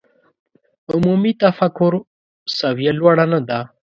عمومي تفکر سویه لوړه نه ده.